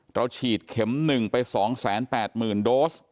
เราฉีดเข็ม๑ไป๒๘๐๐๐๐ราย